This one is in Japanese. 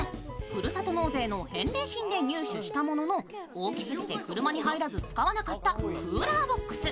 ふるさと納税の返礼品で入手したものの大きすぎて車に入らず使わなかったクーラーボックス